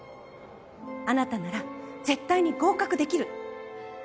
あなたなら絶対に合格できる！